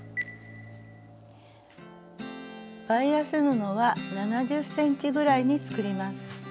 バイアス布は７０ｃｍぐらいに作ります。